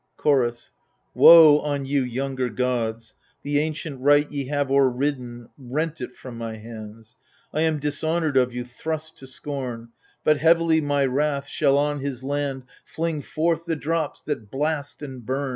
Chorus Woe on you, younger gods ! the ancient right Ye have overridden, rent it from my hands. I am dishonoured of you, thrust to scorn ! But heavily my wrath Shall on his land fling forth the drops that blast and bum.